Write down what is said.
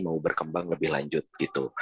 mau berkembang lebih lanjut gitu